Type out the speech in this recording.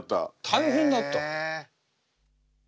大変だった？